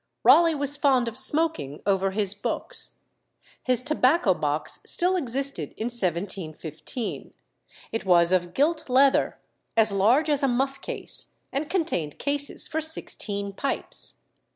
Raleigh was fond of smoking over his books. His tobacco box still existed in 1715; it was of gilt leather, as large as a muff case, and contained cases for sixteen pipes.